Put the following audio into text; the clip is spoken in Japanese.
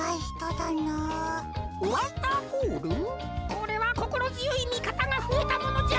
これはこころづよいみかたがふえたものじゃ。